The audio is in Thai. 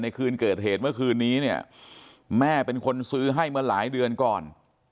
คืนเกิดเหตุเมื่อคืนนี้เนี่ยแม่เป็นคนซื้อให้เมื่อหลายเดือนก่อน